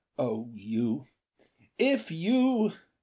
. Oh, you. ... If you.